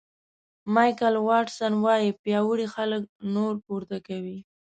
مایکل واټسن وایي پیاوړي خلک نور پورته کوي.